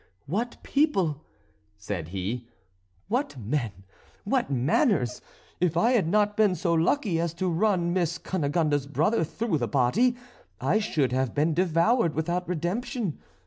"What people!" said he; "what men! what manners! If I had not been so lucky as to run Miss Cunegonde's brother through the body, I should have been devoured without redemption.